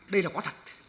đây là quá thật